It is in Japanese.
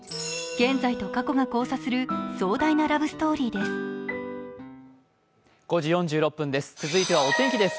現在と過去が交差する壮大なラブストーリーです。